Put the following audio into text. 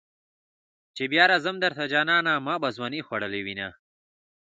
چې بیا راځم درته جانانه ما به ځوانی خوړلې وینه.